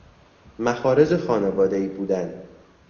مخارج خانواده ای بودن